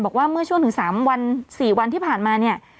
บอกว่าเมื่อช่วงถึง๓วัน๔วันที่ผ่านมาเนี่ย